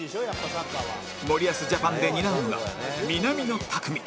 森保ジャパンで担うのが南野拓実